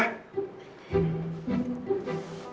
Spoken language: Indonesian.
bapak tunggu di ruang makan ya